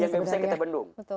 yang gak bisa kita bendung